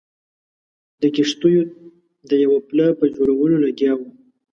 د کښتیو د یوه پله په جوړولو لګیا وو.